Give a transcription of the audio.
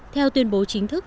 theo tuyên bố chính thức